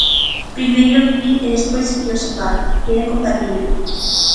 Primeiro vivir e despois filosofar, que é compatíbel.